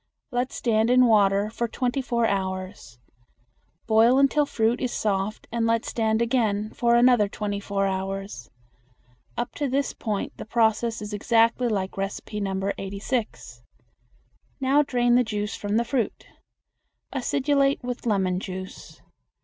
Let stand in water for twenty four hours. Boil until fruit is soft and let stand again for another twenty four hours. Up to this point the process is exactly like No. 86. Now drain the juice from the fruit. Acidulate with lemon juice.